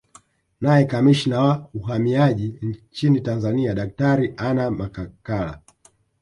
Naye Kamishna wa Uhamiaji nchini Tanzania Daktari Anna Makakala